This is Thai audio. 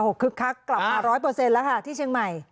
คึกคักกลับมาร้อยเปอร์เซ็นต์แล้วค่ะที่เชียงใหม่